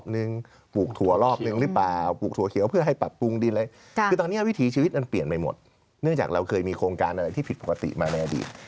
เนื่องจากเราเคยมีโครงการอะไรที่ผิดปกติมาในอดีต